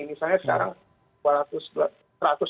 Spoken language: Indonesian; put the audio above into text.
misalnya sekarang dua ratus dua ratus tiga ratus lah ya per hari